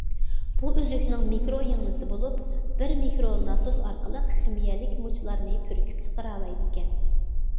بۇ ئۈزۈكنىڭ مىكرو يىڭنىسى بولۇپ، بىر مىكرو ناسوس ئارقىلىق خىمىيەلىك مۇچلارنى پۈركۈپ چىقىرالايدىكەن.